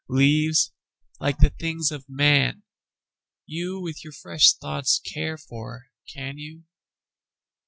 Leáves, líke the things of man, youWith your fresh thoughts care for, can you?